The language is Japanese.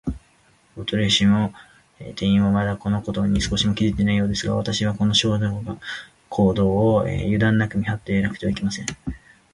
大鳥氏も店員も、まだ、このことを少しも気づいていないようですが、わたしたちは、この少女の行動を、ゆだんなく見はっていなければなりません。